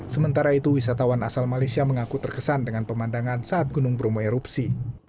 sementara itu wisatawan asal malaysia mengaku terkesan dengan pemandangan saat gunung bromo erupsi